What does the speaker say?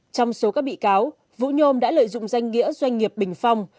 trong số các bị cáo vũ nhôm đã lợi dụng danh nghĩa doanh nghiệp bình phong